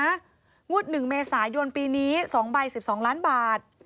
งวด๑เมษายนปีนี้๒ใบ๑๒ล้านบาท